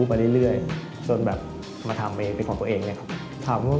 โปรดตัวเองก็เลยสึกษาอาหารความรู้มาเรื่อย